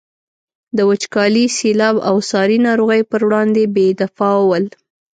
د وچکالي، سیلاب او ساري ناروغیو پر وړاندې بې دفاع ول.